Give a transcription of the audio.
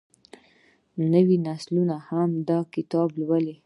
نوې نسلونه هم دا کتاب لولي.